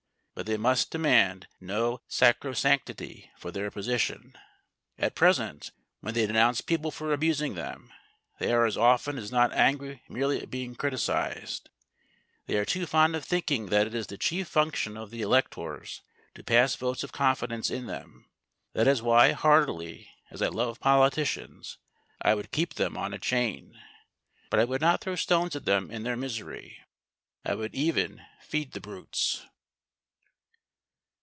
But they must demand no sacrosanctity for their position. At present, when they denounce people for abusing them, they are as often as not angry merely at being criticised. They are too fond of thinking that it is the chief function of the electors to pass votes of confidence in them. That is why, heartily as I love politicians, I would keep them on a chain. But I would not throw stones at them in their misery. I would even feed the brutes.